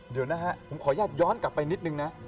เดี๋ยวนะฮะผมขออนุญาตย้อนกลับไปนิดนึงนะ